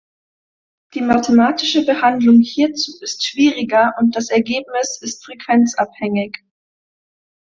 Die mathematische Behandlung hierzu ist schwieriger, und das Ergebnis ist frequenzabhängig.